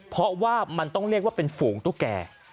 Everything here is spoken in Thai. เพราะว่ามันต้องเรียกว่าเป็นฝูงตุ๊กแก่